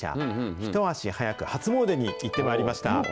一足早く初詣に行ってまいりました。